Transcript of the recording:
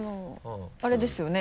あれですよね？